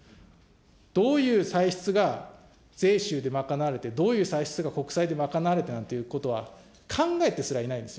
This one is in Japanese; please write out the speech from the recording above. どういう歳出が税収で賄われて、どういう歳出が国債で賄われたなんてことは、考えてすらいないんですよ。